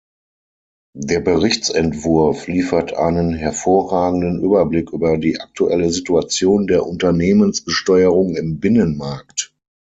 Der Berichtsentwurf liefert einen hervorragenden Überblick über die aktuelle Situation der Unternehmensbesteuerung im Binnenmarkt.